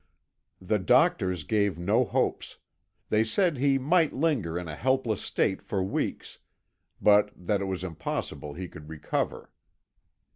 The doctors gave no hopes; they said he might linger in a helpless state for weeks, but that it was impossible he could recover.